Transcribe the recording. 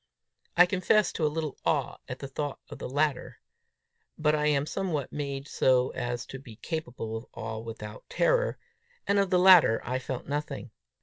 I confess to a little awe at the thought of the latter; but I am somehow made so as to be capable of awe without terror, and of the latter I felt nothing.